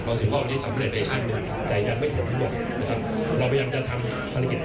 เอ่อสี่คนยังไม่ได้ประเมินว่าใครบ้างนะครับเดี๋ยวส่งไปทางโรงพยาบาลแล้วคงจะรู้